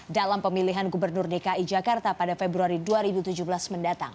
dalam pemilihan gubernur dki jakarta pada februari dua ribu tujuh belas mendatang